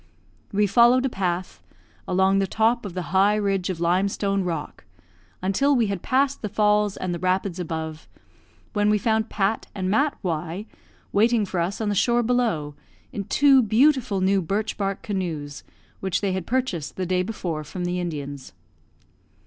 We followed a path along the top of the high ridge of limestone rock, until we had passed the falls and the rapids above, when we found Pat and Mat Y waiting for us on the shore below, in two beautiful new birch bark canoes, which they had purchased the day before from the Indians.